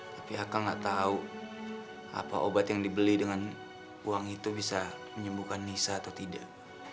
tapi aka nggak tahu apa obat yang dibeli dengan uang itu bisa menyembuhkan nisa atau tidak